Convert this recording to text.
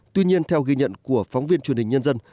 tuy nhiên theo ghi nhận của phóng viên truyền hình nhân dân